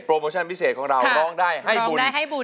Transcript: โมชั่นพิเศษของเราร้องได้ให้บุญ